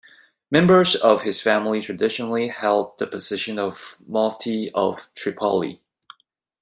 Members of his family traditionally held the position of mufti of Tripoli.